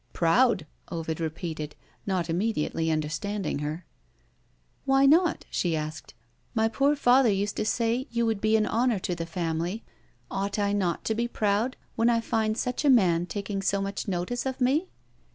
"Proud!" Ovid repeated, not immediately understanding her. "Why not?" she asked. "My poor father used to say you would be an honour to the family. Ought I not to be proud, when I find such a man taking so much notice of me?"